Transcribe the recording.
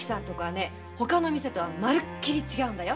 ほかの店とは丸っきり違うんだよ。